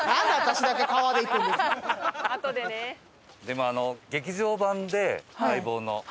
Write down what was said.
でも劇場版で『相棒』の。